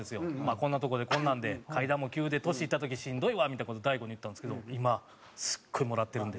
こんなとこで、こんなんで階段も急で、年いった時しんどいわみたいな事大悟に言ったんですけど今、すごいもらってるんで。